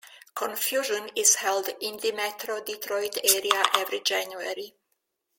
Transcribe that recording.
ConFusion is held in the Metro Detroit area every January.